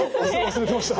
忘れてました。